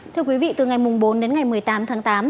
thưa quý vị từ ngày bốn đến ngày một mươi tám tháng tám